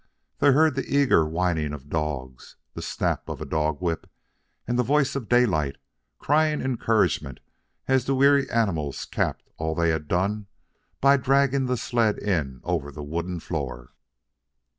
They heard the eager whining of dogs, the snap of a dog whip, and the voice of Daylight crying encouragement as the weary animals capped all they had done by dragging the sled in over the wooden floor.